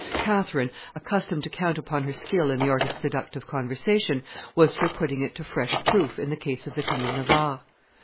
Catherine, accustomed to count upon her skill in the art of seductive conversation, was for putting it to fresh proof in the case of the King of Navarre.